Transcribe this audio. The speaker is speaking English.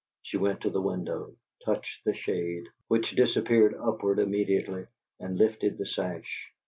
She went to the window; touched the shade, which disappeared upward immediately, and lifted the sash.